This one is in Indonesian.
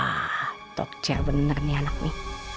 wah dokter bener nih anak ini